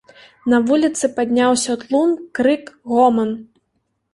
На вуліцы падняўся тлум, крык, гоман.